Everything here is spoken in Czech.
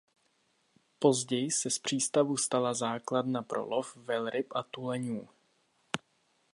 Později se z přístavu stala základna pro lov velryb a tuleňů.